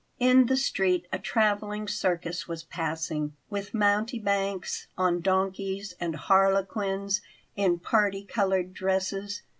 In the street a travelling circus was passing, with mountebanks on donkeys and harlequins in parti coloured dresses.